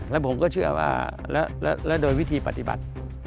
แล้วผมก็เชื่อว่าแล้วโดยวิธีปฏิบัติ